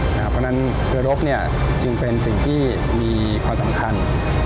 เพราะฉะนั้นเรือรบจึงเป็นสิ่งที่มีความสำคัญ